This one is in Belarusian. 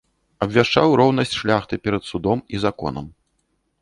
Абвяшчаў роўнасць шляхты перад судом і законам.